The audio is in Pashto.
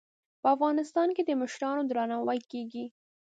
په افغانستان کې د مشرانو درناوی کیږي.